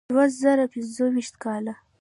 د دوه زره پنځويشتم کال